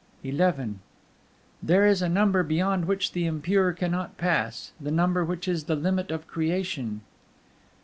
XI There is a Number beyond which the impure cannot pass: the Number which is the limit of creation.